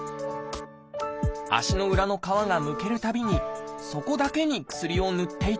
足の裏の皮がむけるたびにそこだけに薬をぬっていたのです。